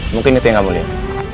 mungkin itu yang kamu lihat